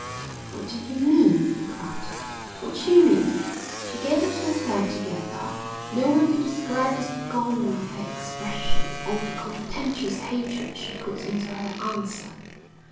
"What do you mean?" he cried. "What d'you mean?" She gathered herself together. No one could describe the scorn of her expression or the contemptuous hatred she put into her answer.